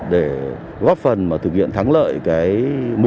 để góp phần thực hiện thắng lợi mục tiêu